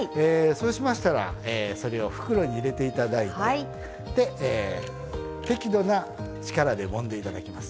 そうしましたらそれを袋に入れていただいてで適度な力でもんでいただきます。